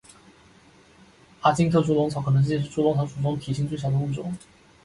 阿金特猪笼草可能既是猪笼草属中体型最小的物种。